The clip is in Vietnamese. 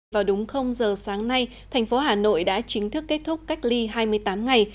vào đúng giờ sáng nay thành phố hà nội đã chính thức kết thúc cách ly hai mươi tám ngày